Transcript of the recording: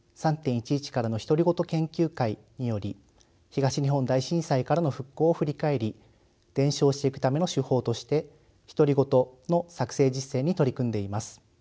研究会により東日本大震災からの復興を振り返り伝承していくための手法として独り言の作成実践に取り組んでいます。